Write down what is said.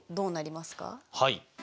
はい。